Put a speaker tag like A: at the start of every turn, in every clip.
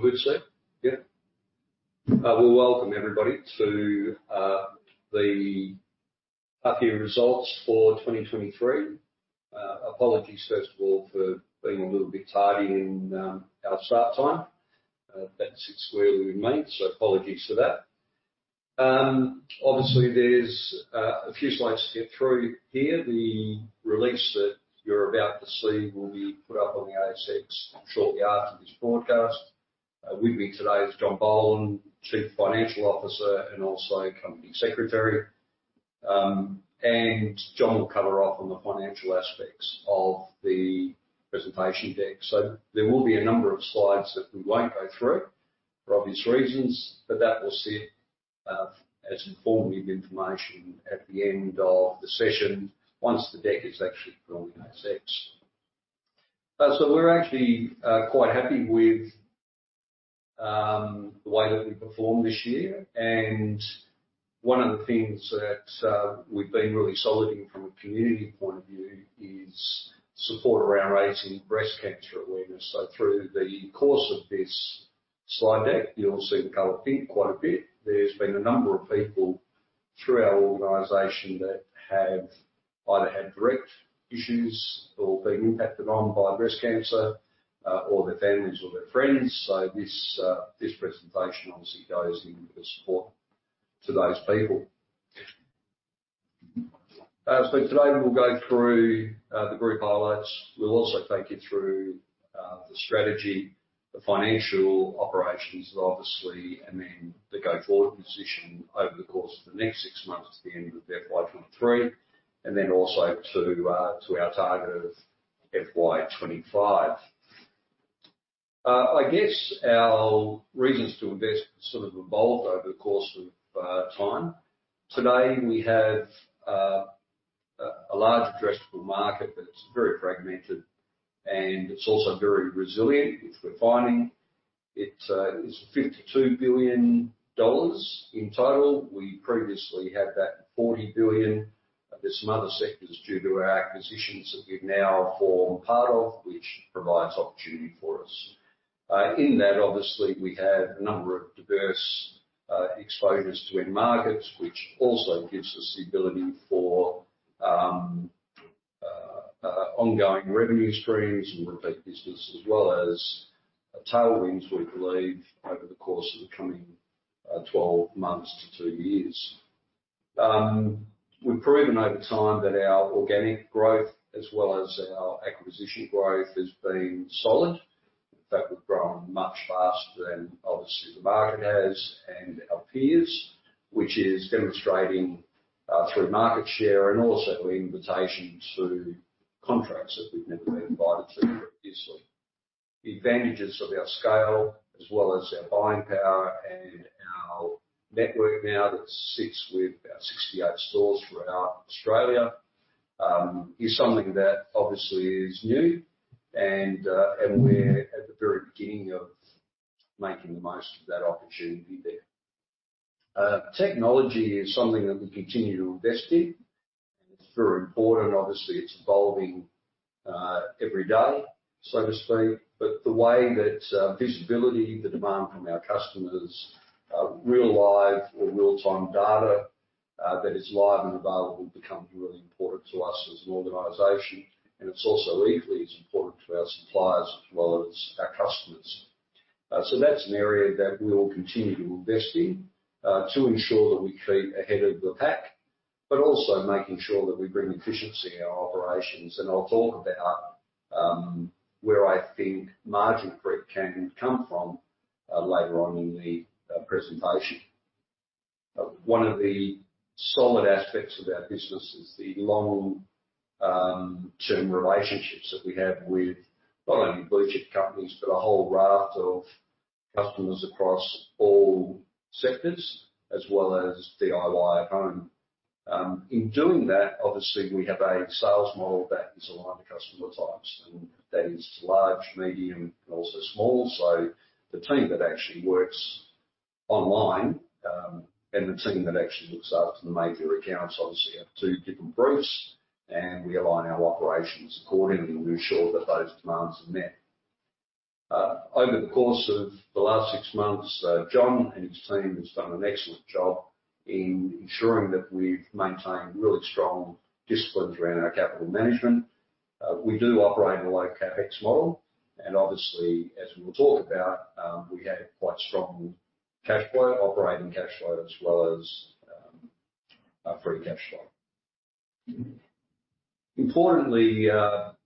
A: For Wednesday? Yeah. Welcome everybody to the up-year results for 2023. Apologies, first of all, for being a little bit tardy in our start time. That's squarely with me, so apologies for that. Obviously, there's a few slides to get through here. The release that you're about to see will be put up on the ASX shortly after this broadcast. With me today is John Boland, Chief Financial Officer and also Company Secretary. John will cover off on the financial aspects of the presentation deck. There will be a number of slides that we won't go through for obvious reasons, but that will sit as informative information at the end of the session once the deck is actually put on the ASX. We're actually quite happy with the way that we performed this year. One of the things that we've been really solid in from a community point of view is support around raising breast cancer awareness. Through the course of this slide deck, you'll see the color pink quite a bit. There have been a number of people through our organization that have either had direct issues or been impacted by breast cancer or their families or their friends. This presentation obviously goes in with the support to those people. Today we'll go through the group highlights. We'll also take you through the strategy, the financial operations, obviously, and then the go-forward position over the course of the next six months to the end of FY 2023, and then also to our target of FY 2025. I guess our reasons to invest sort of evolved over the course of time. Today we have a large addressable market that's very fragmented, and it's also very resilient, which we're finding. It is 52 billion dollars in total. We previously had that at 40 billion. There are some other sectors due to our acquisitions that we now form part of, which provides opportunity for us. In that, obviously, we have a number of diverse exposures to end markets, which also gives us the ability for ongoing revenue streams and repeat business, as well as tailwinds, we believe, over the course of the coming 12 months to two years. We've proven over time that our organic growth, as well as our acquisition growth, has been solid. In fact, we've grown much faster than, obviously, the market has and our peers, which is demonstrating through market share and also invitations to contracts that we've never been invited to previously. The advantages of our scale, as well as our buying power and our network now that sits with about 68 stores throughout Australia, is something that obviously is new, and we're at the very beginning of making the most of that opportunity there. Technology is something that we continue to invest in, and it's very important. Obviously, it's evolving every day, so to speak. The way that visibility, the demand from our customers, real live or real-time data that is live and available becomes really important to us as an organisation. It's also equally as important to our suppliers as well as our customers. That's an area that we will continue to invest in to ensure that we keep ahead of the pack, but also making sure that we bring efficiency in our operations. I'll talk about where I think margin creek can come from later on in the presentation. One of the solid aspects of our business is the long-term relationships that we have with not only blue-chip companies, but a whole raft of customers across all sectors, as well as DIY at home. In doing that, obviously, we have a sales model that is aligned to customer types, and that is large, medium, and also small. The team that actually works online and the team that actually looks after the major accounts obviously have two different groups, and we align our operations accordingly to ensure that those demands are met. Over the course of the last six months, John and his team have done an excellent job in ensuring that we've maintained really strong disciplines around our capital management. We do operate in a low CapEx model, and obviously, as we will talk about, we have quite strong cash flow, operating cash flow, as well as free cash flow. Importantly,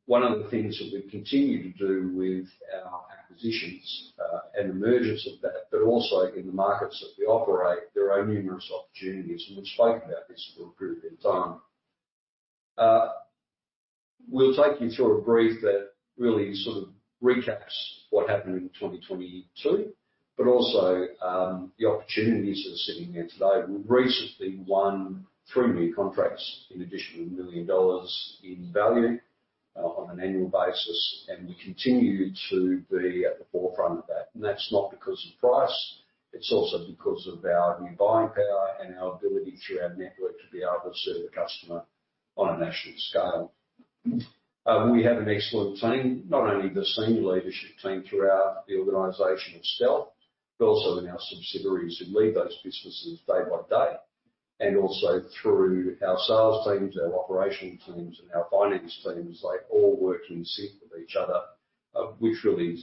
A: one of the things that we continue to do with our acquisitions and emergence of that, but also in the markets that we operate, there are numerous opportunities, and we've spoken about this for a period of time. We'll take you through a brief that really sort of recaps what happened in 2022, but also the opportunities that are sitting there today. We've recently won three new contracts in addition to 1 million dollars in value on an annual basis, and we continue to be at the forefront of that. That's not because of price. It's also because of our new buying power and our ability through our network to be able to serve the customer on a national scale. We have an excellent team, not only the senior leadership team throughout the organization of Stealth, but also in our subsidiaries who lead those businesses day by day. Also through our sales teams, our operational teams, and our finance teams, they all work in sync with each other, which really,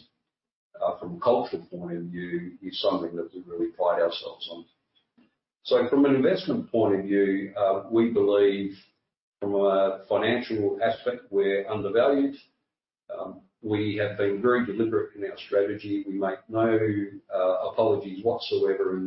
A: from a cultural point of view, is something that we really pride ourselves on. From an investment point of view, we believe from a financial aspect, we're undervalued. We have been very deliberate in our strategy. We make no apologies whatsoever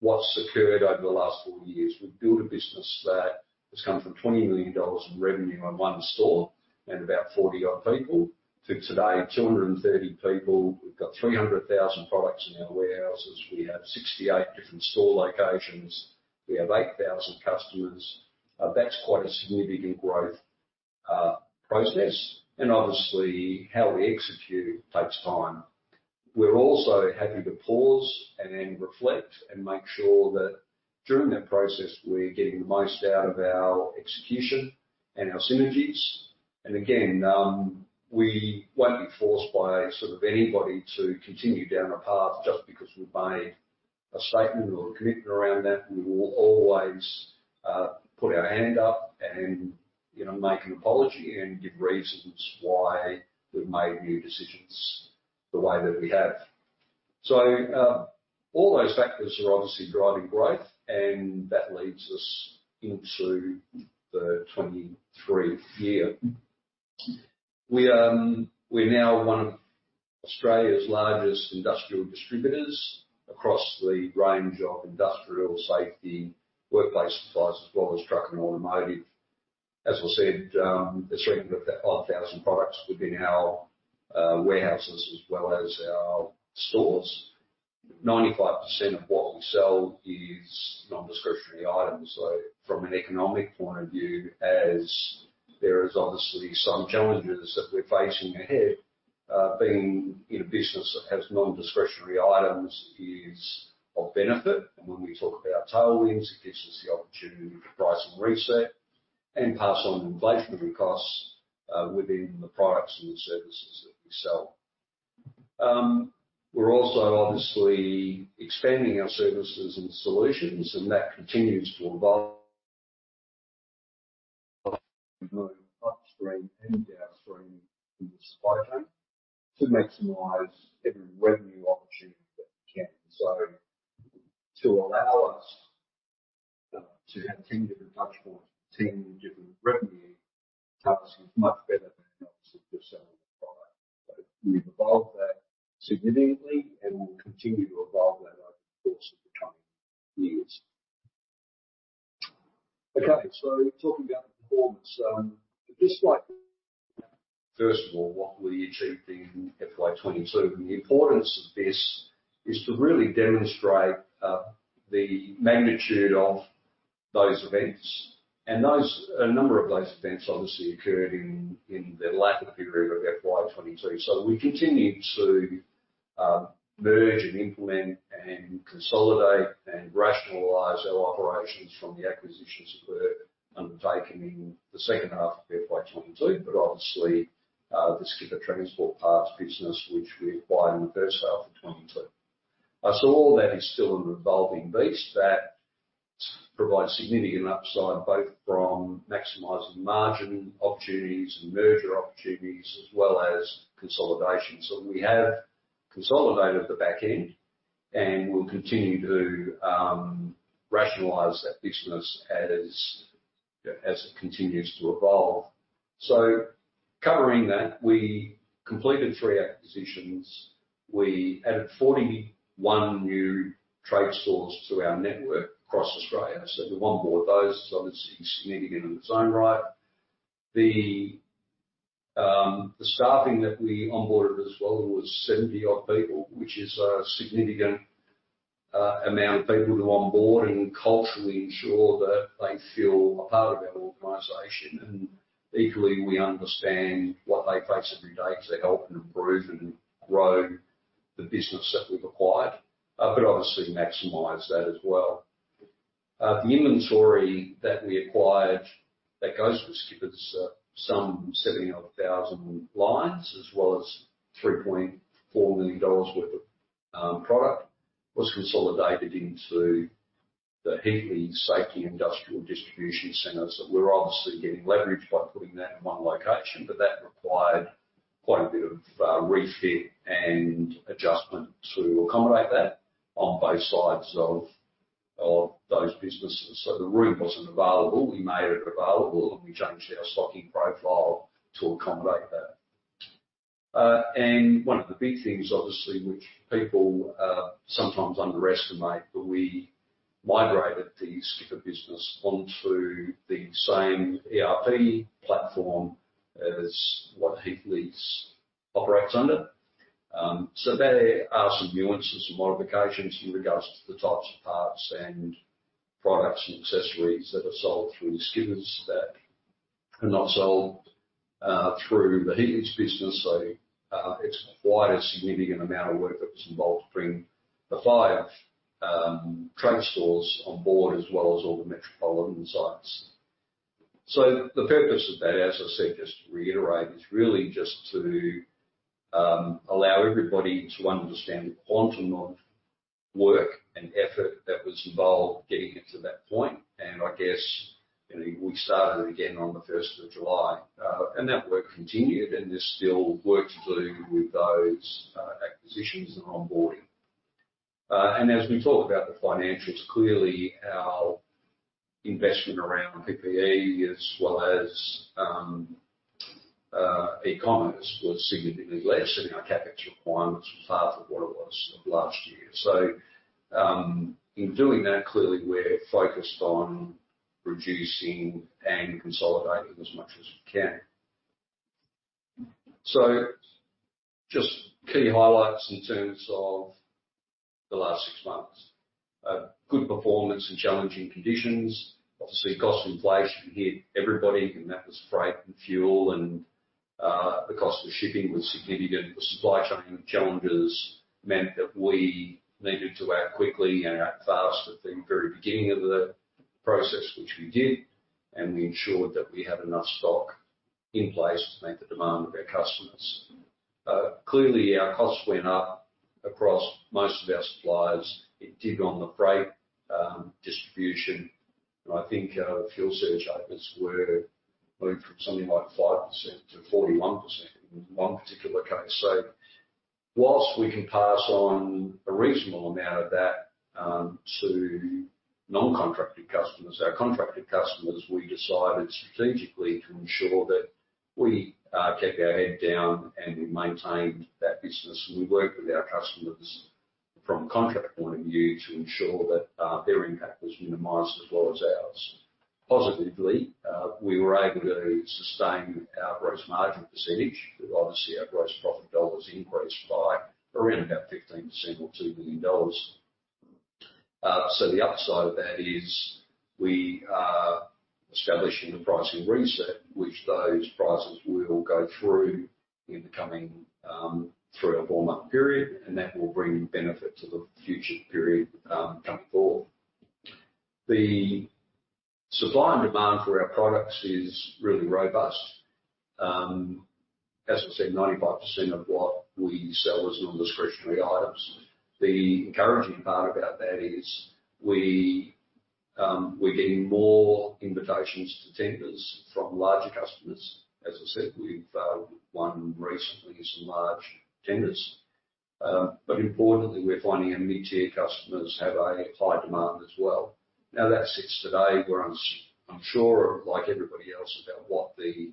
A: in what's occurred over the last four years. We've built a business that has come from 20 million dollars in revenue on one store and about 40 odd people to today, 230 people. We've got 300,000 products in our warehouses. We have 68 different store locations. We have 8,000 customers. That's quite a significant growth process. Obviously, how we execute takes time. We're also happy to pause and reflect and make sure that during that process, we're getting the most out of our execution and our synergies. We won't be forced by sort of anybody to continue down a path just because we've made a statement or a commitment around that. We will always put our hand up and make an apology and give reasons why we've made new decisions the way that we have. All those factors are obviously driving growth, and that leads us into the 2023 year. We're now one of Australia's largest industrial distributors across the range of industrial safety, workplace supplies, as well as truck and automotive. As I said, there are 300,000 products within our warehouses as well as our stores. 95% of what we sell is non-discretionary items. From an economic point of view, as there are obviously some challenges that we are facing ahead, being in a business that has non-discretionary items is of benefit. When we talk about tailwinds, it gives us the opportunity to price and reset and pass on inflationary costs within the products and the services that we sell. We are also obviously expanding our services and solutions, and that continues to evolve. Upstream and downstream in the supply chain to maximize every revenue opportunity that we can. To allow us to have 10 different touchpoints, 10 different revenue types is much better than obviously just selling a product. We have evolved that significantly and will continue to evolve that over the course of the coming years. Okay, so talking about the performance, just like. First of all, what we achieved in FY 2022. The importance of this is to really demonstrate the magnitude of those events. A number of those events obviously occurred in the latter period of FY 2022. We continue to merge and implement and consolidate and rationalize our operations from the acquisitions that were undertaken in the second half of FY 2022, but obviously the Skipper Transport Parts business, which we acquired in the first half of 2022. All that is still an evolving beast that provides significant upside both from maximizing margin opportunities and merger opportunities, as well as consolidation. We have consolidated the back end and will continue to rationalize that business as it continues to evolve. Covering that, we completed three acquisitions. We added 41 new trade stores to our network across Australia. We have onboarded those. It's obviously significant in its own right. The staffing that we onboarded as well was 70-odd people, which is a significant amount of people to onboard and culturally ensure that they feel a part of our organization. Equally, we understand what they face every day to help and improve and grow the business that we've acquired, but obviously maximize that as well. The inventory that we acquired that goes with Skipper Transport Parts, some 70-odd thousand lines, as well as 3.4 million dollars worth of product, was consolidated into the Heatleys Safety & Industrial Distribution Centres. We're obviously getting leverage by putting that in one location, but that required quite a bit of refit and adjustment to accommodate that on both sides of those businesses. The room wasn't available. We made it available, and we changed our stocking profile to accommodate that. One of the big things, obviously, which people sometimes underestimate, but we migrated the Skipper business onto the same ERP platform as what Heatleys operates under. There are some nuances and modifications in regards to the types of parts and products and accessories that are sold through Skipper that are not sold through the Heatleys business. It is quite a significant amount of work that was involved to bring the five trade stores on board, as well as all the metropolitan sites. The purpose of that, as I said, just to reiterate, is really just to allow everybody to understand the quantum of work and effort that was involved getting it to that point. I guess we started again on the 1st of July, and that work continued, and there is still work to do with those acquisitions and onboarding. As we talk about the financials, clearly our investment around PPE, as well as e-commerce, was significantly less, and our CapEx requirements were half of what it was last year. In doing that, clearly we are focused on reducing and consolidating as much as we can. Just key highlights in terms of the last six months. Good performance in challenging conditions. Obviously, cost inflation hit everybody, and that was freight and fuel, and the cost of shipping was significant. The supply chain challenges meant that we needed to act quickly and act fast at the very beginning of the process, which we did, and we ensured that we had enough stock in place to meet the demand of our customers. Clearly, our costs went up across most of our suppliers. It did on the freight distribution. I think our fuel surge openings were moved from something like 5%-41% in one particular case. Whilst we can pass on a reasonable amount of that to non-contracted customers, our contracted customers, we decided strategically to ensure that we kept our head down and we maintained that business. We worked with our customers from a contract point of view to ensure that their impact was minimised as well as ours. Positively, we were able to sustain our gross margin percentage. Obviously, our gross profit dollars increased by around about 15% or 2 million dollars. The upside of that is we are establishing the pricing reset, which those prices will go through in the coming through our four-month period, and that will bring benefit to the future period coming forth. The supply and demand for our products is really robust. As I said, 95% of what we sell is non-discretionary items. The encouraging part about that is we're getting more invitations to tenders from larger customers. As I said, we've won recently some large tenders. Importantly, we're finding our mid-tier customers have a high demand as well. That sits today. We're unsure, like everybody else, about what the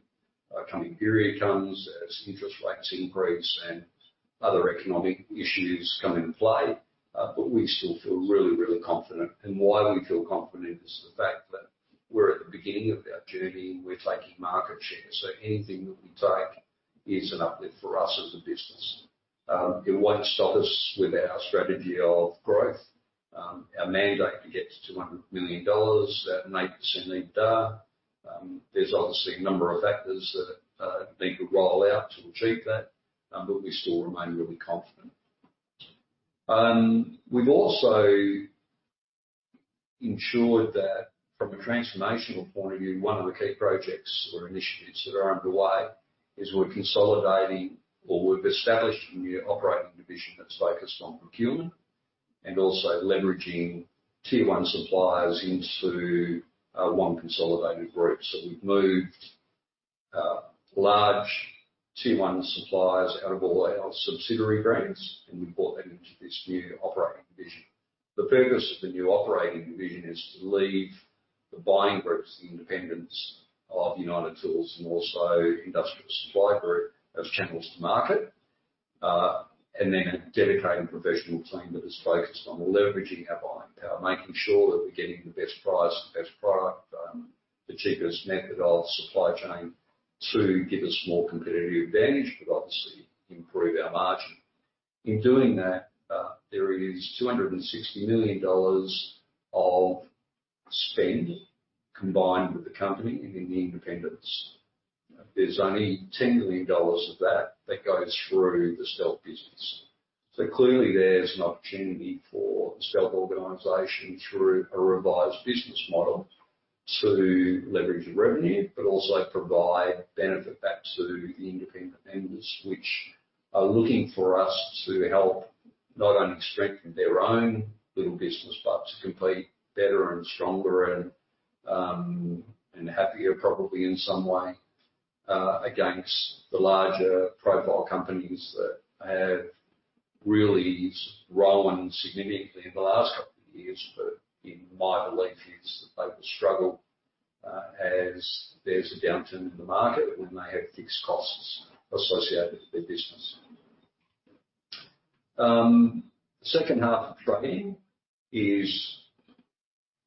A: coming period comes as interest rates increase and other economic issues come into play. We still feel really, really confident. Why we feel confident is the fact that we're at the beginning of our journey. We're taking market share. Anything that we take is an uplift for us as a business. It won't stop us with our strategy of growth. Our mandate to get to 200 million dollars, that 9% need to die. There's obviously a number of factors that need to roll out to achieve that, but we still remain really confident. We've also ensured that from a transformational point of view, one of the key projects or initiatives that are underway is we're consolidating or we've established a new operating division that's focused on procurement and also leveraging tier one suppliers into one consolidated group. We've moved large tier one suppliers out of all our subsidiary brands, and we've brought them into this new operating division. The purpose of the new operating division is to leave the buying groups, the independents of United Tools and also Industrial Supply Group as channels to market, and then a dedicated professional team that is focused on leveraging our buying power, making sure that we're getting the best price, the best product, the cheapest method of supply chain to give us more competitive advantage, but obviously improve our margin. In doing that, there is 260 million dollars of spend combined with the company and in the independents. There's only 10 million dollars of that that goes through the Stealth business. Clearly, there's an opportunity for the Stealth organization through a revised business model to leverage revenue, but also provide benefit back to the independent vendors, which are looking for us to help not only strengthen their own little business, but to compete better and stronger and happier, probably in some way, against the larger profile companies that have really rolled significantly in the last couple of years. My belief is that they will struggle as there's a downturn in the market when they have fixed costs associated with their business. The second half of trading is,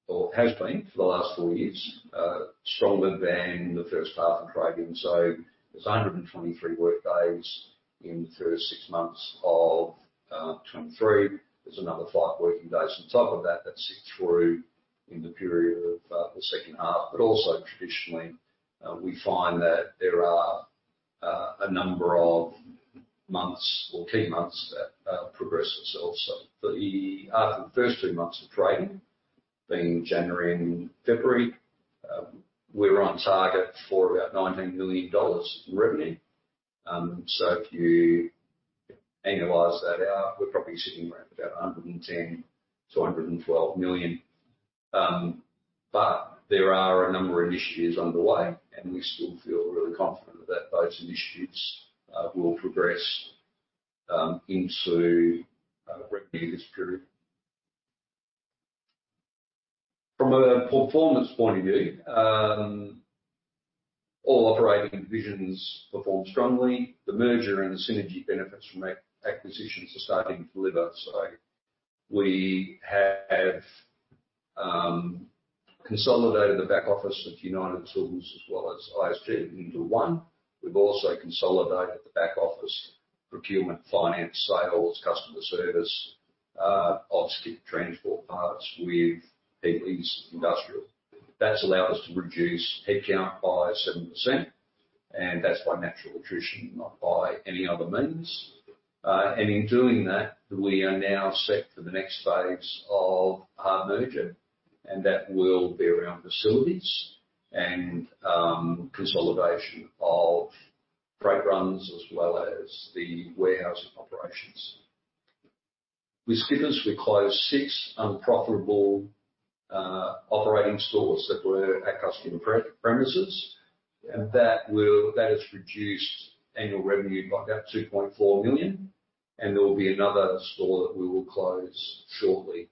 A: or has been for the last four years, stronger than the first half of trading. There are 123 workdays in the first six months of 2023. There's another five working days on top of that that sit through in the period of the second half. Also, traditionally, we find that there are a number of months or key months that progress themselves. After the first two months of trading, being January and February, we are on target for about 19 million dollars in revenue. If you analyze that out, we are probably sitting around 110 million-112 million. There are a number of initiatives underway, and we still feel really confident that those initiatives will progress into revenue this period. From a performance point of view, all operating divisions perform strongly. The merger and the synergy benefits from acquisitions are starting to deliver. We have consolidated the back office of United Tools as well as Industrial Supply Group into one. We have also consolidated the back office procurement, finance, sales, customer service of Skipper Transport Parts with Heatleys Safety & Industrial. That's allowed us to reduce headcount by 7%, and that's by natural attrition, not by any other means. In doing that, we are now set for the next phase of our merger, and that will be around facilities and consolidation of freight runs as well as the warehousing operations. With Skipper, we closed six unprofitable operating stores that were at customer premises, and that has reduced annual revenue by about 2.4 million. There will be another store that we will close shortly.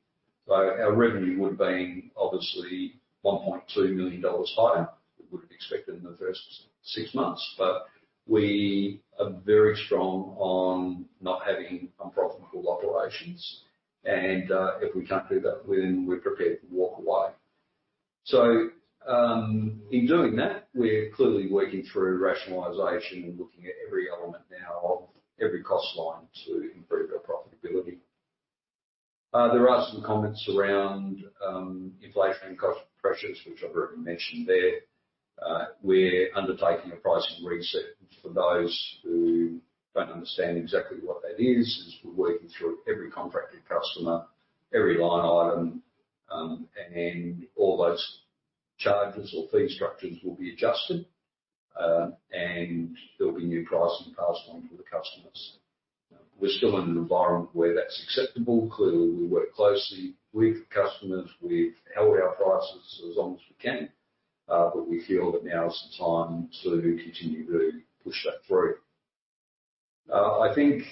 A: Our revenue would have been obviously 1.2 million dollars higher. We would have expected in the first six months, but we are very strong on not having unprofitable operations. If we can't do that, then we're prepared to walk away. In doing that, we're clearly working through rationalisation and looking at every element now of every cost line to improve our profitability. There are some comments around inflation and cost pressures, which I've already mentioned there. We're undertaking a pricing reset for those who don't understand exactly what that is. We're working through every contracted customer, every line item, and all those charges or fee structures will be adjusted, and there'll be new pricing passed on to the customers. We're still in an environment where that's acceptable. Clearly, we work closely with customers. We've held our prices as long as we can, but we feel that now is the time to continue to push that through. I think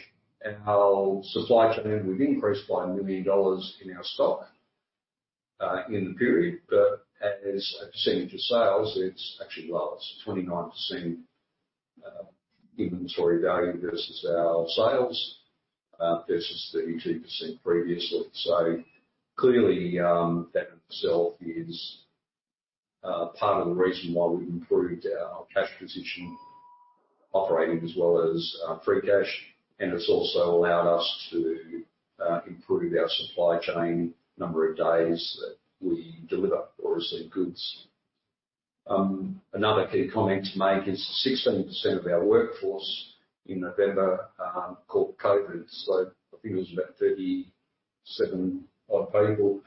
A: our supply chain will increase by 1 million dollars in our stock in the period, but as a percentage of sales, it's actually lower. It's 29% inventory value versus our sales versus 32% previously. Clearly, that in itself is part of the reason why we've improved our cash position operating as well as free cash. It's also allowed us to improve our supply chain number of days that we deliver or receive goods. Another key comment to make is 16% of our workforce in November caught COVID. I think it was about 37 odd people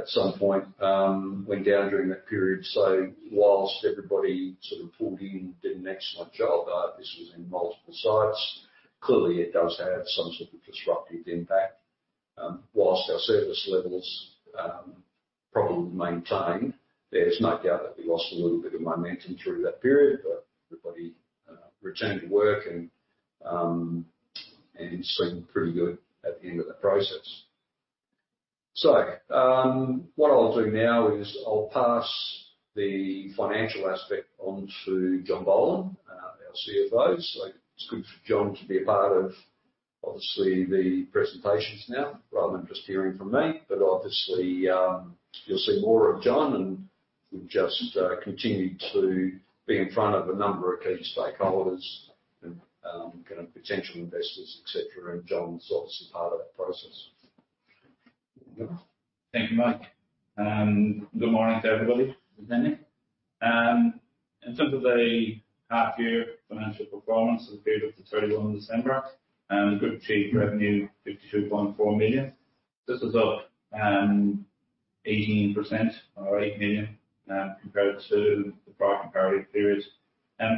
A: at some point went down during that period. Whilst everybody sort of pulled in and did an excellent job, this was in multiple sites. Clearly, it does have some sort of disruptive impact. Whilst our service levels are probably maintained, there's no doubt that we lost a little bit of momentum through that period, but everybody returned to work and seemed pretty good at the end of the process. What I'll do now is I'll pass the financial aspect on to John Boland, our CFO. It's good for John to be a part of, obviously, the presentations now rather than just hearing from me. Obviously, you'll see more of John, and we've just continued to be in front of a number of key stakeholders and potential investors, etc. John's obviously part of that process.
B: Thank you, Mike. Good morning to everybody attending. In terms of the half-year financial performance of the period of the 31st of December, good achieved revenue, 52.4 million. This is up 18% or 8 million compared to the prior comparative period.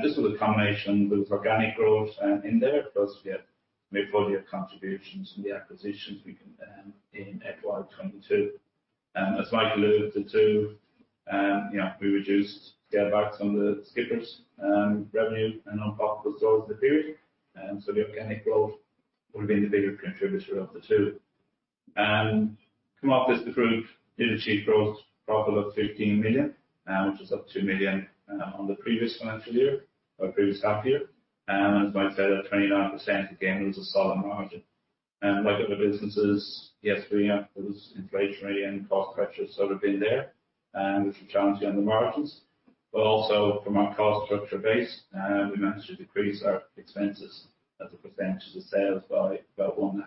B: This was a combination with organic growth in there. It does get mid-four-year contributions from the acquisitions we can in FY 2022. As Mike alluded to, we reduced scale backs on the Skipper revenue and non-profit stores in the period. The organic growth would have been the bigger contributor of the two. The group did achieve gross profit of 15 million, which is up 2 million on the previous financial year or previous half-year. As Mike said, at 29%, it was a solid margin. Like other businesses, yes, we have those inflationary and cost pressures that have been there, which are challenging on the margins. Also, from our cost structure base, we managed to decrease our expenses as a percentage of sales by about 1.5%.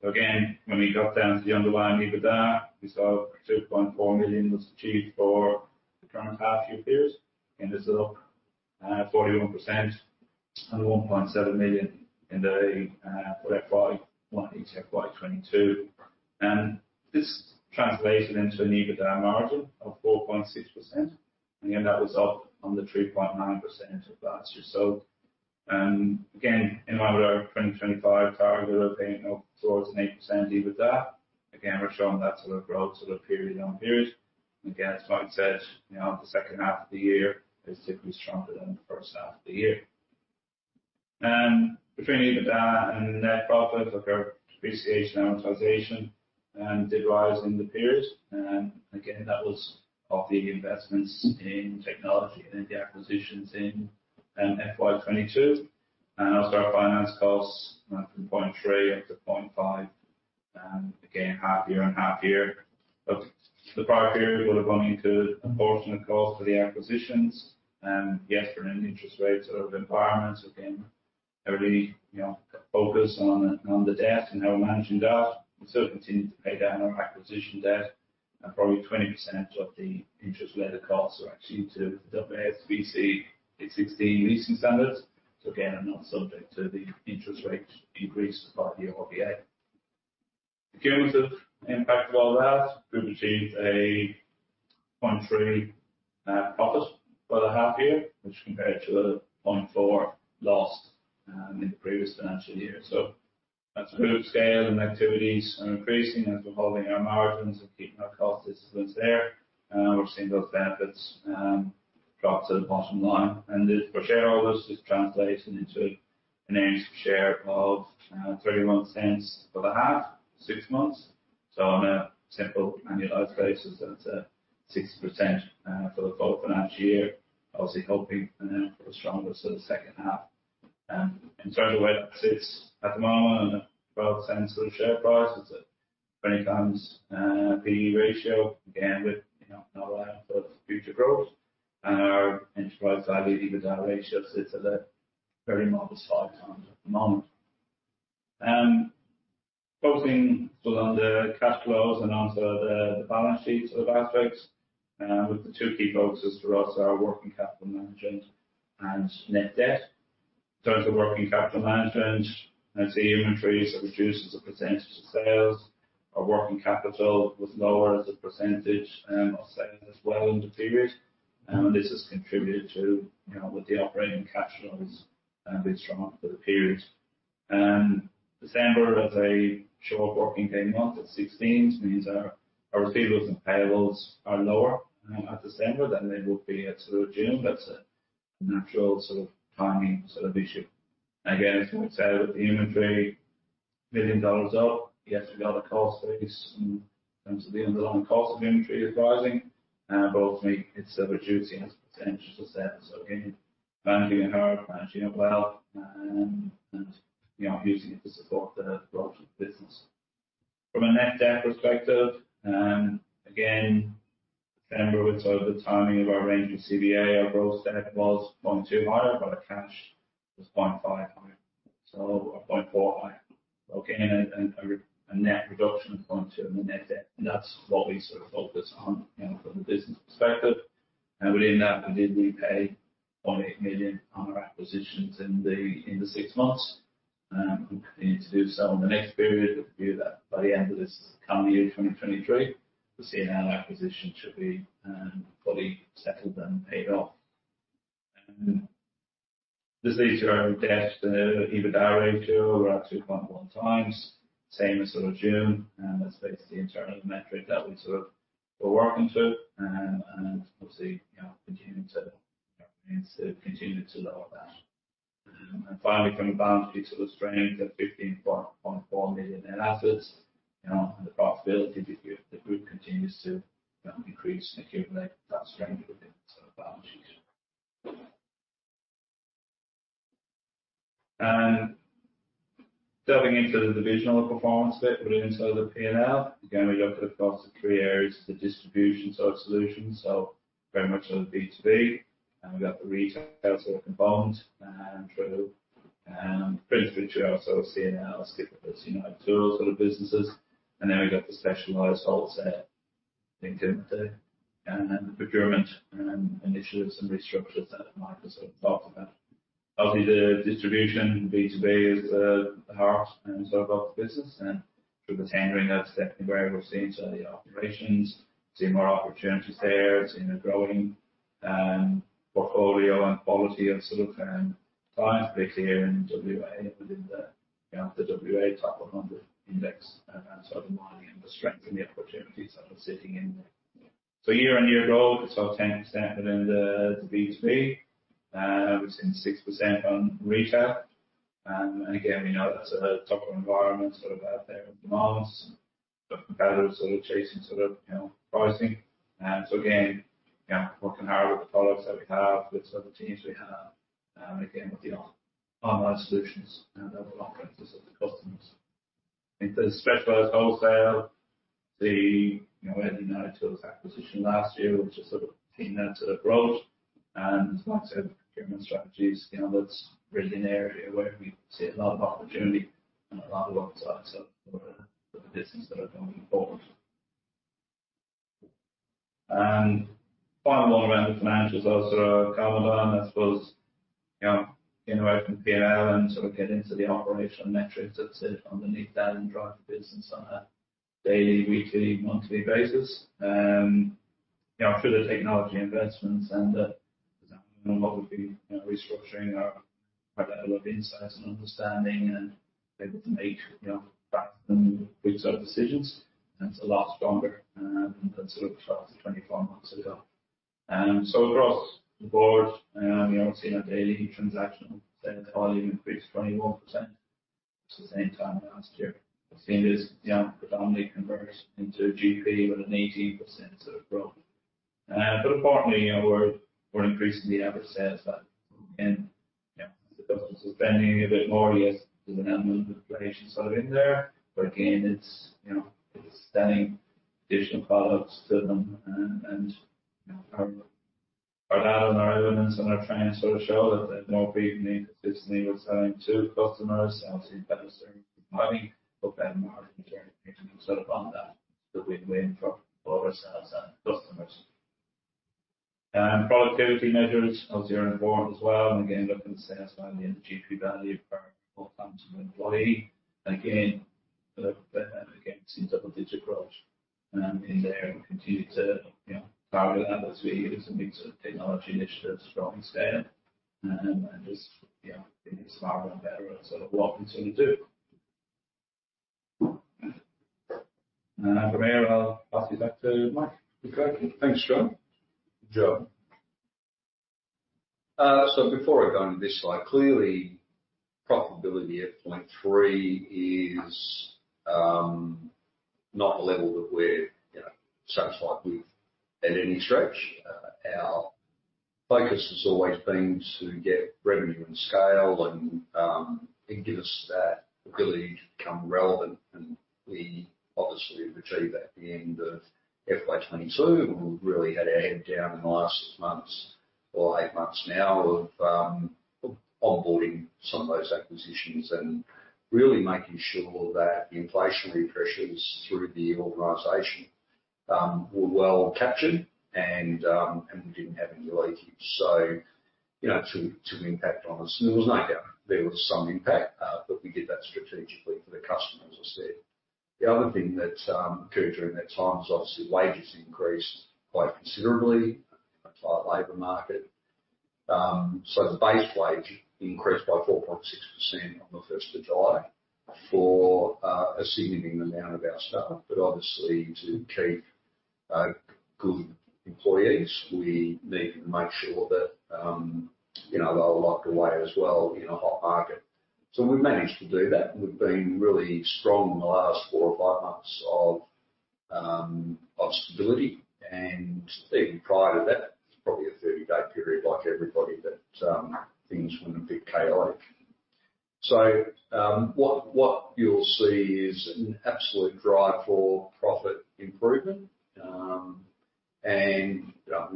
B: When we got down to the underlying EBITDA, we saw 2.4 million was achieved for the current half-year period. This is up 41% and 1.7 million in the financial year 2022. This translated into an EBITDA margin of 4.6%. That was up on the 3.9% of last year. Again, in light of our 2025 target, we're paying up towards an 8% EBITDA. Again, we're showing that sort of growth period on period. As Mike said, the second half of the year is typically stronger than the first half of the year. Between EBITDA and net profit, our depreciation amortization did rise in the period. That was of the investments in technology and the acquisitions in FY 2022. I'll start finance costs from 0.3 up to 0.5, again, half-year and half-year. The prior period would have gone into a portion of cost for the acquisitions. Yes, for an interest rate sort of environment, every focus on the debt and how we're managing that. We still continue to pay down our acquisition debt. Probably 20% of the interest-led costs are actually to WSBC 16 leasing standards. I'm not subject to the interest rate increase by the RBA. Procurement impact of all that, we've achieved a 0.3 million profit for the half-year, which compared to a 0.4 million loss in the previous financial year. As the scale and activities are increasing, as we're holding our margins and keeping our cost incidents there, we're seeing those benefits drop to the bottom line. For shareholders, this translates into an earnings per share of 0.31 for the half, six months. On a simple annualized basis, that's a 60% for the full financial year, obviously helping for the stronger sort of second half. In terms of where it sits at the moment on a 0.12 sort of share price, it's a 20x PE ratio, again, with another line for future growth. Our enterprise value EBITDA ratio sits at a very modest 5x at the moment. Focusing still on the cash flows and onto the balance sheet sort of aspects, with the two key focuses for us are working capital management and net debt. In terms of working capital management, I see inventories that reduces the pecent of sales. Our working capital was lower as a percent of sales as well in the period. This has contributed to, with the operating cash flows, being strong for the period. December is a short working day month at 16, which means our receivables and payables are lower at December than they would be at sort of June. That is a natural sort of timing sort of issue. Again, as Mike said, with the inventory, million dollars up, yes, we've got a cost base in terms of the underlying cost of inventory is rising, but ultimately it's a reducing potential to set. Again, managing it hard, managing it well, and using it to support the growth of the business. From a net debt perspective, December, it's over the timing of our range with CBA, our growth stat was 0.2 higher, but our cash was 0.5 higher, so 0.4 higher. Again, a net reduction of 0.2 in the net debt. That's what we sort of focus on from the business perspective. Within that, we did repay 0.8 million on our acquisitions in the six months. We continue to do so in the next period with a view that by the end of this coming year, 2023, we're seeing our acquisition should be fully settled and paid off. This leads to our net debt to EBITDA ratio, we're at 2.1 x, same as sort of June. That's based on the internal metric that we sort of were working to. Obviously, continuing to continue to lower that. Finally, from the balance sheet sort of strength at 15.4 million net assets. The profitability, the group continues to increase and accumulate that strength within sort of balance sheet. Diving into the divisional performance bit within sort of the P&L, again, we look at across the three areas of the distribution sort of solution. Very much sort of B2B. We have the retail sort of component through [Prince Richard], our sort of C&L, Skipper, United Tools sort of businesses. We have the specialized wholesale, procurement initiatives and restructures that Mike has sort of talked about. Obviously, the distribution B2B is the heart and sort of of the business. Through the tenure, that is definitely where we are seeing some of the operations, seeing more opportunities there, seeing a growing portfolio and quality of sort of clients, particularly here in Western Australia within the Western Australia top 100 index sort of mining and the strength and the opportunities that are sitting in there. Year-on-year growth, it is our 10% within the B2B. We have seen 6% on retail. Again, we know that is a tough environment sort of out there with demands. The competitors are sort of chasing sort of pricing. Again, working hard with the products that we have, with some of the teams we have, and again, with the online solutions and other offerings to sort of the customers. In terms of specialised wholesale, the United Tools acquisition last year was just sort of keying that sort of growth. Like I said, procurement strategies, that's really an area where we see a lot of opportunity and a lot of upside sort of for the business that are going forward. Final one around the financials also are common one, I suppose, getting away from P&L and sort of getting into the operational metrics that sit underneath that and drive the business on a daily, weekly, monthly basis. Through the technology investments and obviously restructuring our level of insights and understanding and able to make faster and quicker decisions, that's a lot stronger than sort of 12 months-24 months ago. Across the board, we're seeing a daily transactional volume increase of 21% at the same time last year. We've seen this predominantly convert into GP with an 18% sort of growth. Importantly, we're increasing the average sales value. The customers are spending a bit more, yes, with an element of inflation sort of in there. Again, it's selling additional products to them. Our data and our evidence and our trends sort of show that the more people need consistently with selling to customers, sales impetus or mining, the better margin we're getting sort of on that. It's the win-win for all of ourselves and customers. Productivity measures, obviously are important as well. Again, looking at sales value and GP value per full-time sort of employee. Again, sort of seeing double-digit growth in there and continue to target that as we use and make sort of technology initiatives growing scale and just being smarter and better at sort of what we sort of do. From here, I'll pass you back to Mike.
A: Thanks, John. John. Before I go into this slide, clearly, profitability at 0.3 is not the level that we're satisfied with at any stretch. Our focus has always been to get revenue and scale and give us that ability to become relevant. We obviously have achieved that at the end of FY 2022. We've really had our head down in the last six months or eight months now of onboarding some of those acquisitions and really making sure that the inflationary pressures through the organisation were well captured and we didn't have any leakage. To impact on us, there was no doubt there was some impact, but we did that strategically for the customers, I said. The other thing that occurred during that time was obviously wages increased quite considerably in the applied labor market. The base wage increased by 4.6% on the 1st of July for a significant amount of our staff. Obviously, to keep good employees, we need to make sure that they're locked away as well in a hot market. We've managed to do that. We've been really strong in the last four or five months of stability. Even prior to that, it's probably a 30-day period like everybody, that things went a bit chaotic. What you'll see is an absolute drive for profit improvement. We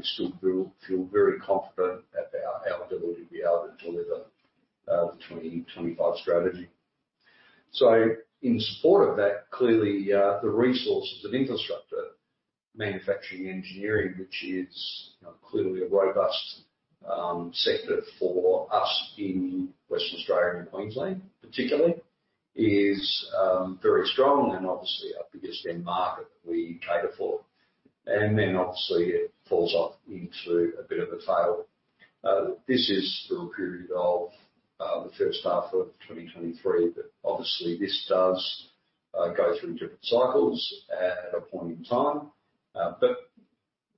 A: still feel very confident about our ability to be able to deliver the 2025 strategy. In support of that, clearly, the resources and infrastructure, manufacturing, engineering, which is clearly a robust sector for us in Western Australia and Queensland, particularly, is very strong and obviously our biggest end market that we cater for. Obviously, it falls off into a bit of a tail. This is the period of the first half of 2023. Obviously, this does go through different cycles at a point in time.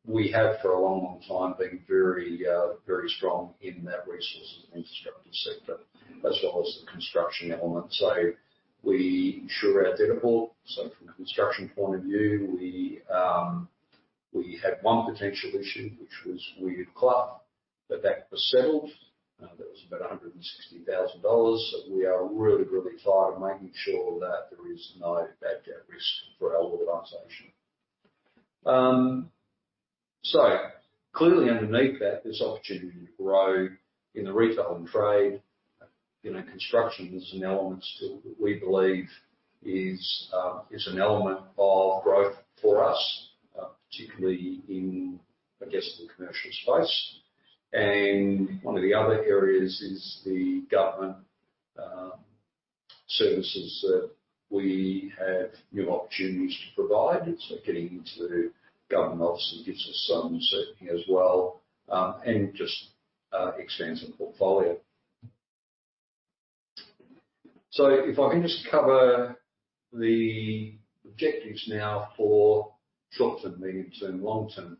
A: We have for a long, long time been very, very strong in that resources and infrastructure sector, as well as the construction element. We ensure our debt report. From a construction point of view, we had one potential issue, which was weird clutch, but that was settled. That was about 160,000 dollars. We are really, really tired of making sure that there is no bad debt risk for our organisation. Clearly, underneath that, there's opportunity to grow in the retail and trade. Construction is an element still that we believe is an element of growth for us, particularly in, I guess, the commercial space. One of the other areas is the government services that we have new opportunities to provide. Getting into government office gives us some certainty as well and just expands our portfolio. If I can just cover the objectives now for short-term, medium-term, long-term.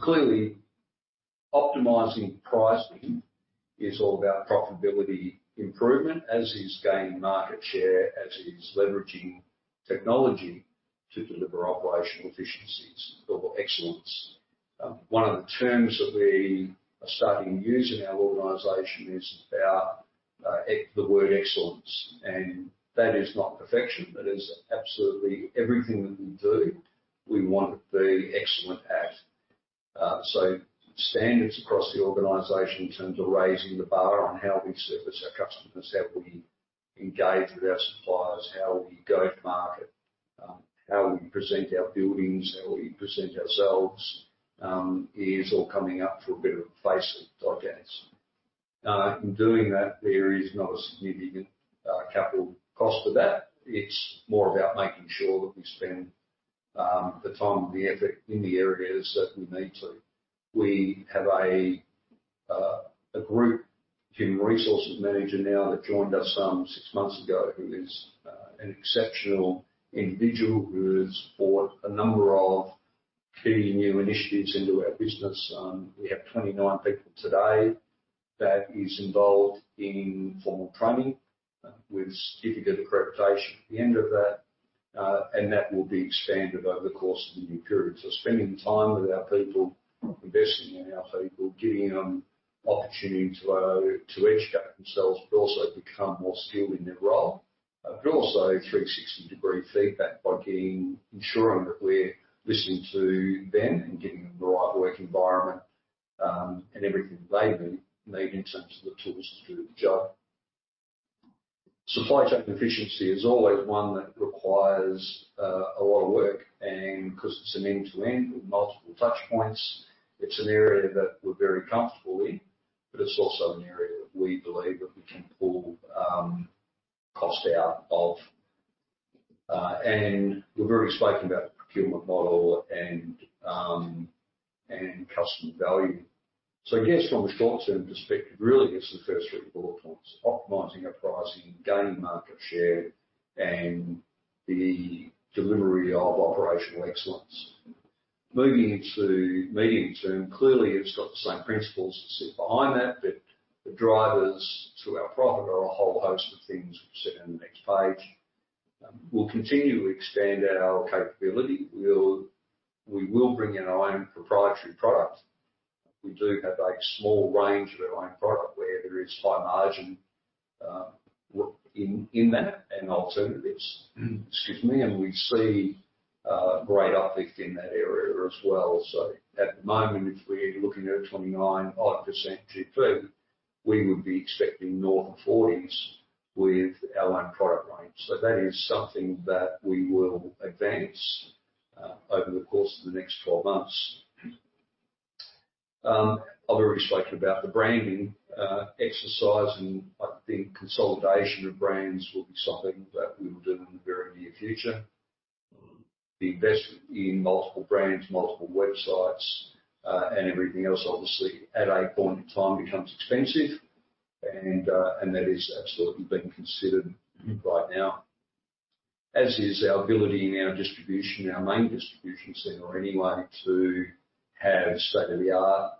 A: Clearly, optimising pricing is all about profitability improvement, as is gaining market share, as is leveraging technology to deliver operational efficiencies or excellence. One of the terms that we are starting to use in our organisation is about the word excellence. That is not perfection. That is absolutely everything that we do, we want to be excellent at. Standards across the organisation in terms of raising the bar on how we service our customers, how we engage with our suppliers, how we go to market, how we present our buildings, how we present ourselves is all coming up through a bit of a phase of dynamics. In doing that, there is not a significant capital cost to that. It is more about making sure that we spend the time and the effort in the areas that we need to. We have a group human resources manager now that joined us six months ago, who is an exceptional individual who has brought a number of key new initiatives into our business. We have 29 people today that are involved in formal training with certificate accreditation at the end of that. That will be expanded over the course of the new period. Spending time with our people, investing in our people, giving them opportunity to educate themselves, but also become more skilled in their role. Also, 360-degree feedback by ensuring that we're listening to them and giving them the right work environment and everything that they need in terms of the tools to do the job. Supply chain efficiency is always one that requires a lot of work. Because it's an end-to-end with multiple touchpoints, it's an area that we're very comfortable in. It's also an area that we believe that we can pull cost out of. We've already spoken about the procurement model and customer value. I guess from a short-term perspective, really, it's the first three bullet points: optimizing our pricing, gaining market share, and the delivery of operational excellence. Moving into medium-term, clearly, it's got the same principles that sit behind that. The drivers to our profit are a whole host of things we'll set on the next page. We'll continue to expand our capability. We will bring in our own proprietary product. We do have a small range of our own product where there is high margin in that and alternatives, excuse me. We see great uplift in that area as well. At the moment, if we're looking at a 29-odd % GP, we would be expecting north of 40% with our own product range. That is something that we will advance over the course of the next 12 months. I've already spoken about the branding exercise. I think consolidation of brands will be something that we will do in the very near future. The investment in multiple brands, multiple websites, and everything else, obviously, at a point in time becomes expensive. That is absolutely being considered right now. As is our ability in our distribution, our main distribution centre, anyway, to have state-of-the-art,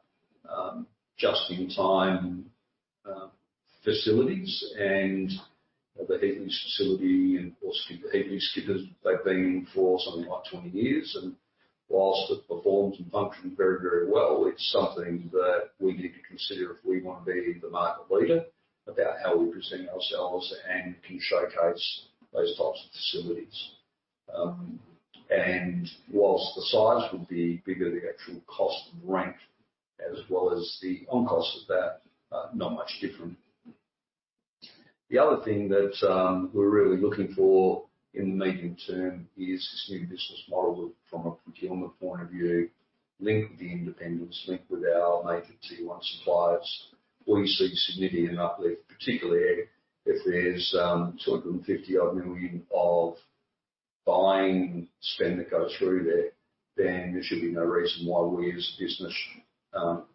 A: just-in-time facilities. The Heatleys facility and, of course, Skipper. Heatleys, Skipper, they have been for something like 20 years. Whilst it performs and functions very, very well, it's something that we need to consider if we want to be the market leader, about how we present ourselves and can showcase those types of facilities. Whilst the size would be bigger, the actual cost of rent, as well as the on-cost of that, is not much different. The other thing that we're really looking for in the medium term is this new business model from a procurement point of view, linked with the independence, linked with our major T1 suppliers. We see significant uplift, particularly if there's 250 million-odd of buying spend that goes through there, then there should be no reason why we as a business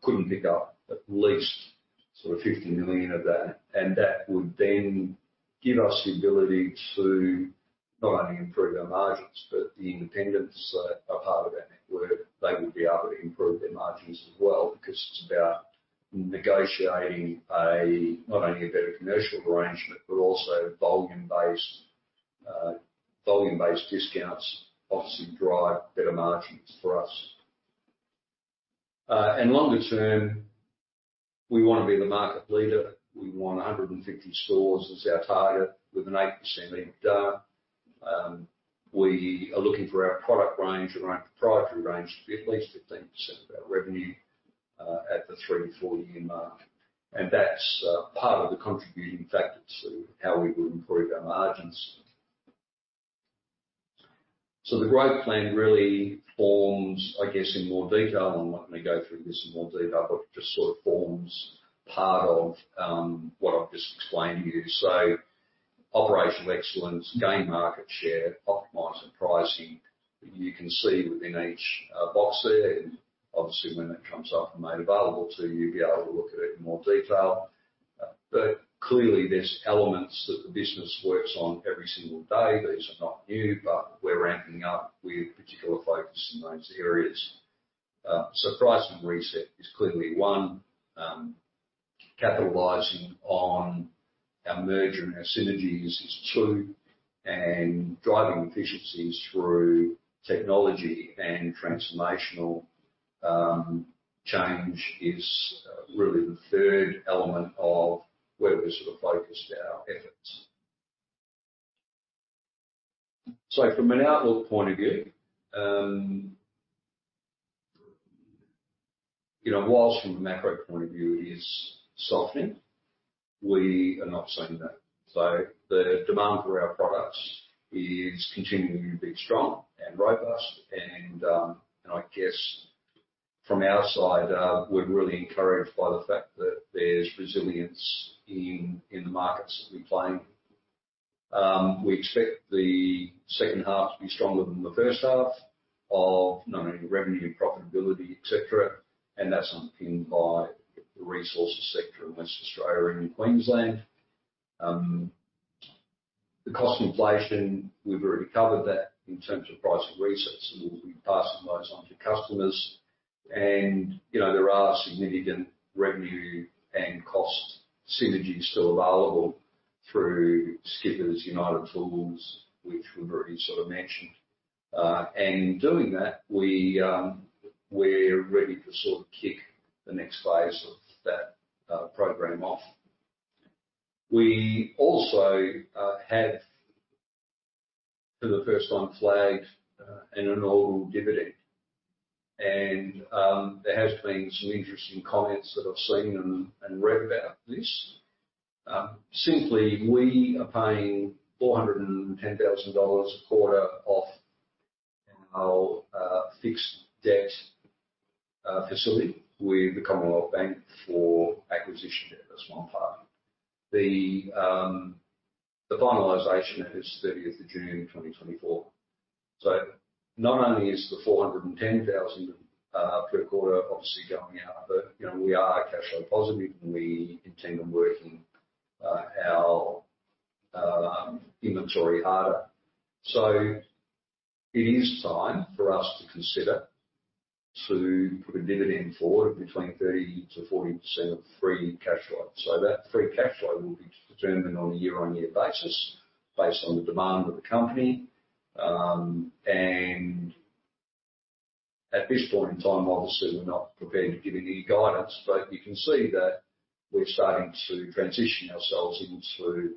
A: couldn't pick up at least sort of 50 million of that. That would then give us the ability to not only improve our margins, but the independents that are part of our network, they will be able to improve their margins as well because it's about negotiating not only a better commercial arrangement, but also volume-based discounts obviously drive better margins for us. Longer term, we want to be the market leader. We want 150 stores as our target with an 8% EBITDA. We are looking for our product range or our proprietary range to be at least 15% of our revenue at the three- to four-year mark. That is part of the contributing factor to how we will improve our margins. The growth plan really forms, I guess, in more detail. I am not going to go through this in more detail, but it just sort of forms part of what I have just explained to you. Operational excellence, gain market share, optimizing pricing, you can see within each box there. Obviously, when it comes up and is made available to you, you will be able to look at it in more detail. Clearly, there are elements that the business works on every single day. These are not new, but we are ramping up with particular focus in those areas. Price and reset is clearly one. Capitalizing on our merger and our synergies is two. Driving efficiencies through technology and transformational change is really the third element of where we're sort of focused our efforts. From an outlook point of view, whilst from a macro point of view, it is softening, we are not seeing that. The demand for our products is continuing to be strong and robust. I guess from our side, we're really encouraged by the fact that there's resilience in the markets that we play. We expect the second half to be stronger than the first half of not only revenue, profitability, etc. That is underpinned by the resources sector in Western Australia and Queensland. The cost inflation, we've already covered that in terms of price and resets. We'll be passing those on to customers. There are significant revenue and cost synergies still available through Skipper, United Tools, which we've already sort of mentioned. In doing that, we're ready to sort of kick the next phase of that program off. We also have, for the first time, flagged an inaugural dividend. There have been some interesting comments that I've seen and read about this. Simply, we are paying 410,000 dollars a quarter off our fixed debt facility with Commonwealth Bank for acquisition debt. That's one part. The finalisation is 30th of June 2024. Not only is the 410,000 per quarter obviously going out, but we are cash flow positive, and we intend on working our inventory harder. It is time for us to consider to put a dividend forward of between 30%-40% of free cash flow. That free cash flow will be determined on a year-on-year basis based on the demand of the company. At this point in time, obviously, we're not prepared to give any guidance. You can see that we're starting to transition ourselves into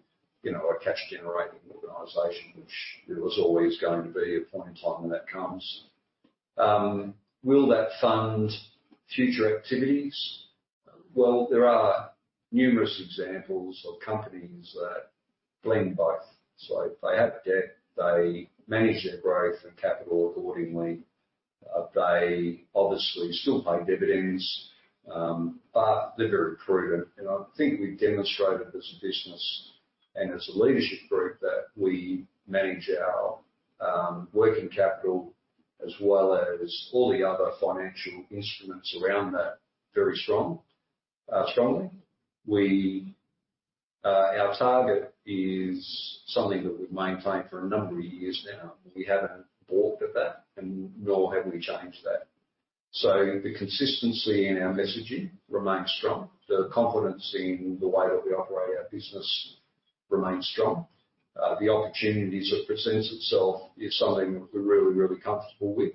A: a cash-generating organisation, which there was always going to be a point in time when that comes. Will that fund future activities? There are numerous examples of companies that blend both. If they have debt, they manage their growth and capital accordingly. They obviously still pay dividends, but they're very prudent. I think we've demonstrated as a business and as a leadership group that we manage our working capital as well as all the other financial instruments around that very strongly. Our target is something that we've maintained for a number of years now. We have not balked at that, and nor have we changed that. The consistency in our messaging remains strong. The confidence in the way that we operate our business remains strong. The opportunity that presents itself is something that we are really, really comfortable with.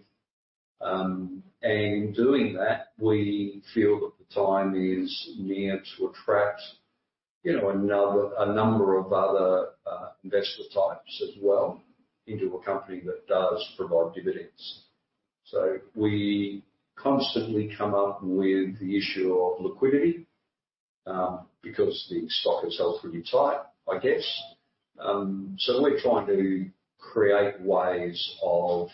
A: In doing that, we feel that the time is near to attract a number of other investor types as well into a company that does provide dividends. We constantly come up with the issue of liquidity because the stock is held pretty tight, I guess. We are trying to create ways of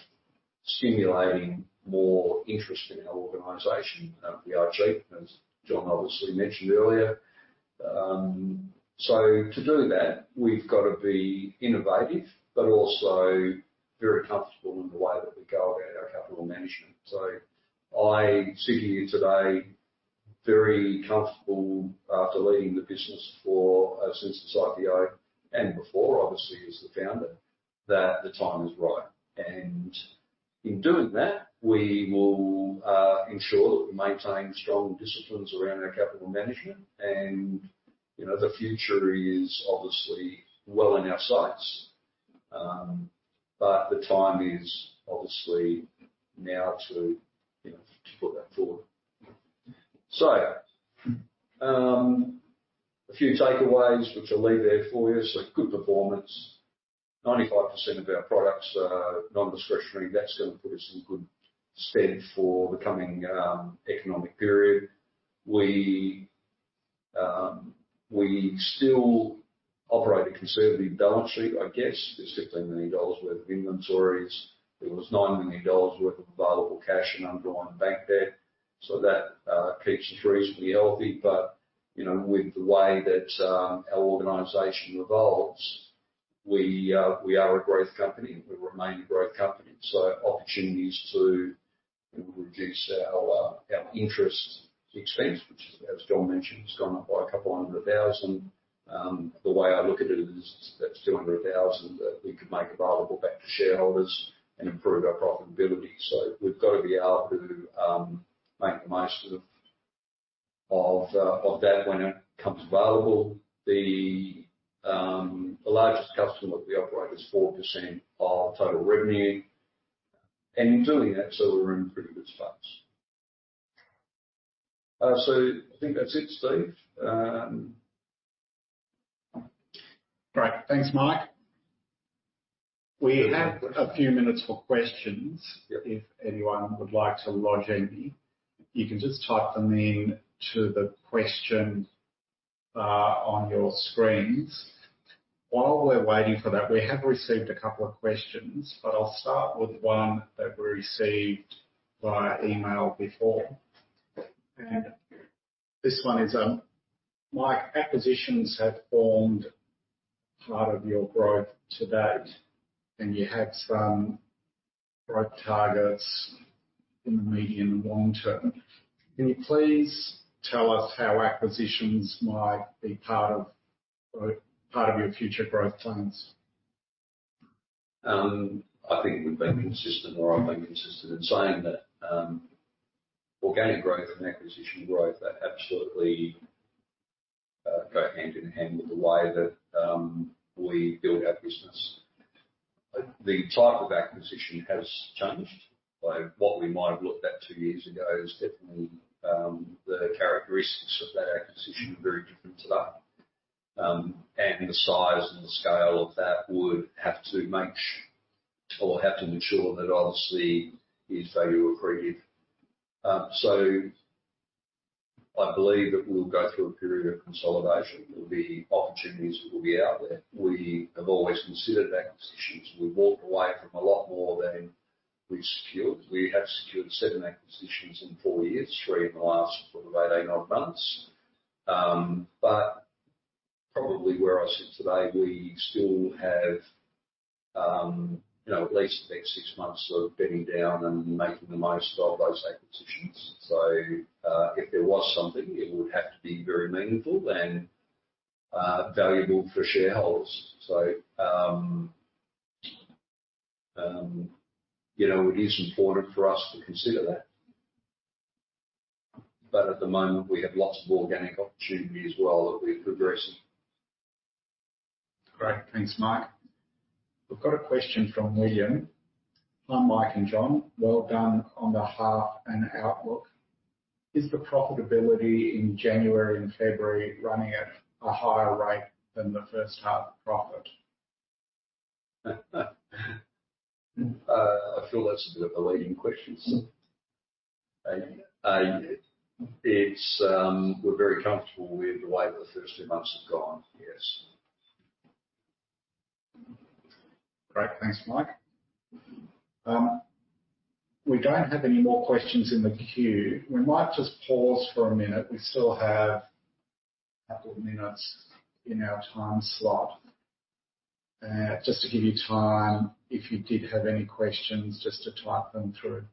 A: stimulating more interest in our organisation, the IG, as John obviously mentioned earlier. To do that, we have to be innovative, but also very comfortable in the way that we go about our capital management. I sit here today very comfortable after leading the business since the [CIPO] and before, obviously, as the founder, that the time is right. In doing that, we will ensure that we maintain strong disciplines around our capital management. The future is obviously well in our sights, but the time is now to put that forward. A few takeaways, which I'll leave there for you. Good performance. 95% of our products are non-discretionary. That's going to put us in good stead for the coming economic period. We still operate a conservative balance sheet, I guess. There's 15 million dollars worth of inventories. There was 9 million dollars worth of available cash and underlying bank debt. That keeps us reasonably healthy. With the way that our organization evolves, we are a growth company. We remain a growth company. Opportunities to reduce our interest expense, which, as John mentioned, has gone up by a couple hundred thousand. The way I look at it is that's 200,000 that we could make available back to shareholders and improve our profitability. We've got to be able to make the most of that when it comes available. The largest customer that we operate is 4% of total revenue. In doing that, we're in pretty good space. I think that's it, Steve. Great. Thanks, Mike. We have a few minutes for questions. If anyone would like to lodge any, you can just type them into the question on your screens. While we're waiting for that, we have received a couple of questions, but I'll start with one that we received via email before. This one is, "Mike, acquisitions have formed part of your growth to date, and you had some growth targets in the medium and long term. Can you please tell us how acquisitions might be part of your future growth plans? I think we've been consistent, or I've been consistent in saying that organic growth and acquisition growth, they absolutely go hand in hand with the way that we build our business. The type of acquisition has changed. What we might have looked at two years ago is definitely the characteristics of that acquisition are very different today. The size and the scale of that would have to make or have to mature that obviously is value accretive. I believe that we'll go through a period of consolidation. There will be opportunities that will be out there. We have always considered acquisitions. We've walked away from a lot more than we've secured. We have secured seven acquisitions in four years, three in the last sort of eight, eight, nine months. Probably where I sit today, we still have at least the next six months of bedding down and making the most of those acquisitions. If there was something, it would have to be very meaningful and valuable for shareholders. It is important for us to consider that. At the moment, we have lots of organic opportunity as well that we're progressing. Great. Thanks, Mike. We've got a question from William. "Hi, Mike and John. Well done on the half and outlook. Is the profitability in January and February running at a higher rate than the first half profit? I feel that's a bit of a leading question. We're very comfortable with the way that the first two months have gone. Yes. Great. Thanks, Mike. We do not have any more questions in the queue. We might just pause for a minute. We still have a couple of minutes in our time slot. Just to give you time, if you did have any questions, just to type them through.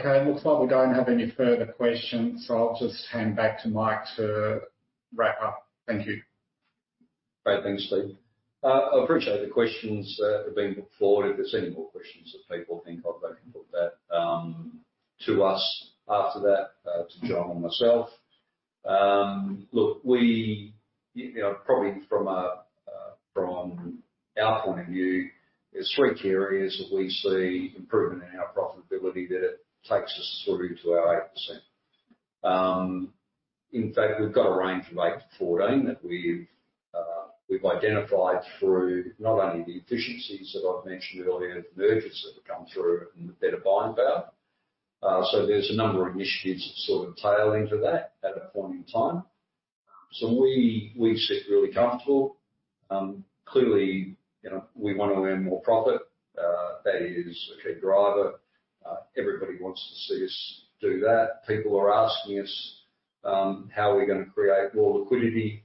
A: Okay. Looks like we do not have any further questions. I will just hand back to Mike to wrap up. Thank you. Okay. Thanks, Steve. I appreciate the questions that have been put forward. If there's any more questions that people think I've opened up to us after that, to John and myself, look, probably from our point of view, there's three key areas that we see improvement in our profitability that it takes us through to our 8%. In fact, we've got a range of 8%-14% that we've identified through not only the efficiencies that I've mentioned earlier, the mergers that have come through, and the better buying power. There's a number of initiatives that sort of tail into that at a point in time. We sit really comfortable. Clearly, we want to earn more profit. That is a key driver. Everybody wants to see us do that. People are asking us how we're going to create more liquidity.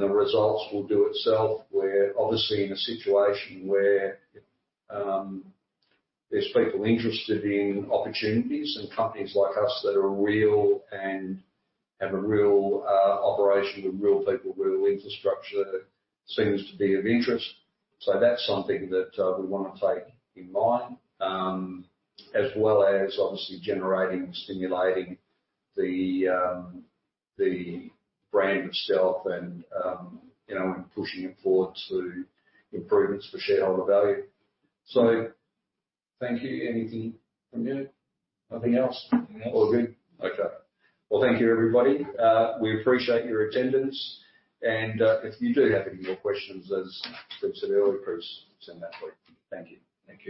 A: The results will do itself. We're obviously in a situation where there's people interested in opportunities and companies like us that are real and have a real operation with real people, real infrastructure, seems to be of interest. That is something that we want to take in mind, as well as obviously generating and stimulating the brand itself and pushing it forward to improvements for shareholder value. Thank you. Anything from you? Nothing else? All good? Okay. Thank you, everybody. We appreciate your attendance. If you do have any more questions, as I said earlier, please send that through. Thank you. Thank you.